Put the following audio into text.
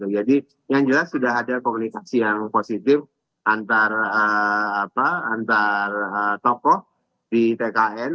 jadi yang jelas sudah ada komunikasi yang positif antara tokoh di tkn